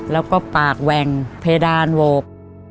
แล้วก็ปากแหว่งเพดานโหวก